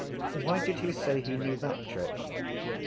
Why did he say he knew that trick?